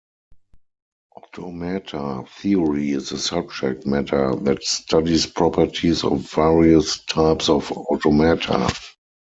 Automata theory is a subject matter that studies properties of various types of automata.